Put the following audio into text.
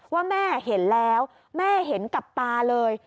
ว่าแม่เห็นแล้วแม่เห็นกับตาเลย